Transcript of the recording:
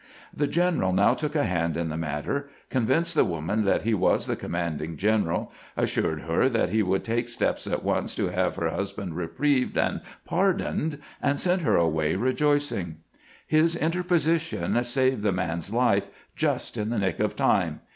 The general now took a hand in the matter, convinced the woman that he was the commanding general, assured her that he would take steps at once to have her husband reprieved and pardoned, and sent her away rejoicing. His inter position saved the man's life just in the nick of time.